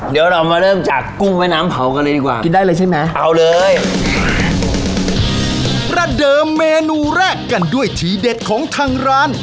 เดี๋ยวเรามาเริ่มจากกุ้งแม่น้ำเผากันเลยดีกว่า